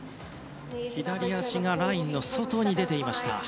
左足がラインの外に出ていました。